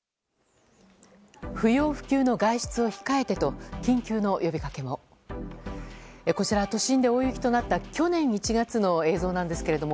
不要不急の外出を控えてと緊急の呼びかけも。